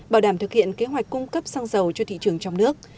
bảo đảm thực hiện kế hoạch cung cấp xăng dầu cho thị trường trong nước